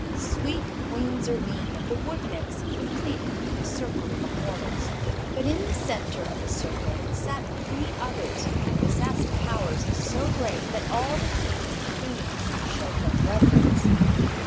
Sweet Queen Zurline of the Wood Nymphs completed the circle of immortals. But in the center of the circle sat three others who possessed powers so great that all the Kings and Queens showed them reverence.